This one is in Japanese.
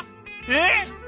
えっ！？